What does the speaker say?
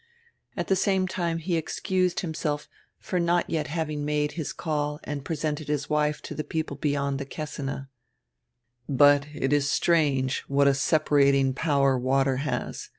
At die same time he excused himself for not yet having made Ms call and presented his wife to die people beyond die Kessine. "But it is strange what a separating power water has.